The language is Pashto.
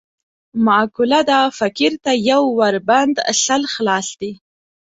معقوله ده: فقیر ته یو ور بند، سل خلاص دي.